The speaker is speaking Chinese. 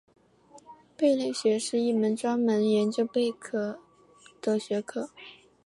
贝类学是一门专门研究贝类的学科。